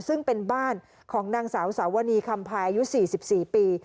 ซึ่งเป็นบ้านของนางสาวสาวนีคำพายอายุ๔๔ปี